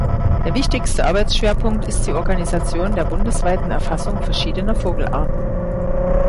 Der wichtigste Arbeitsschwerpunkt ist die Organisation der bundesweiten Erfassung verschiedener Vogelarten.